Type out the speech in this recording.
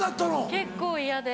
結構嫌で。